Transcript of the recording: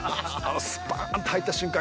スパーンと入った瞬間